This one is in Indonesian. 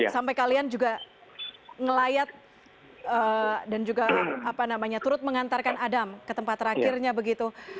sampai kalian juga ngelayat dan juga apa namanya turut mengantarkan adam ke tempat terakhirnya begitu